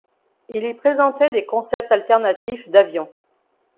Il y présentait des concepts alternatifs d'avion.